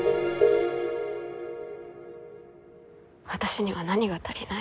私には何が足りない？